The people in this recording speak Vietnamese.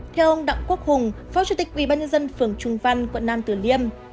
theo ông đặng quốc hùng phó chủ tịch ubnd phường trung văn quận nam tử liêm